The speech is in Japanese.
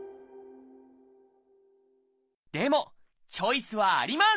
でもチョイスはあります！